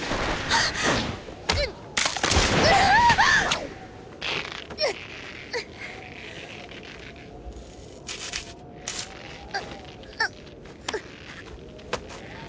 あっ⁉あっ！